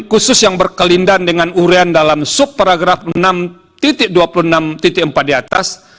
khusus yang berkelindan dengan urian dalam subparagraf enam dua puluh enam empat di atas